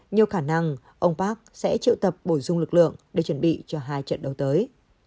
nhiều khả năng ông park sẽ triệu tập bổ sung lực lượng để chuẩn bị cho hai trận đấu tới